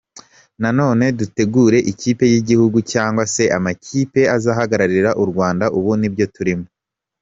Nanone dutegura ikipe y’igihugu cyangwa se amakipe azahagararira u Rwanda, ubu nibyo turimo.